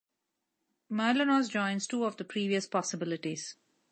Mylonas joins two of the previous possibilities.